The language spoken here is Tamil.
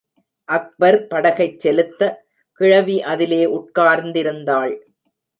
அக்பர் படகைச் செலுத்த, கிழவி அதிலே உட்கார்ந்திருந்தாள்.